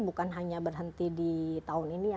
bukan hanya berhenti di tahun ini ya